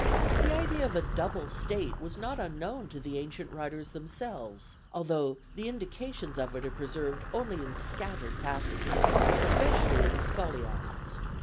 The idea of a double state was not unknown to the ancient writers themselves, although the indications of it are preserved only in scattered passages, especially in the scholiasts.